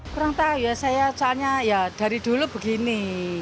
kurang tahu ya saya soalnya ya dari dulu begini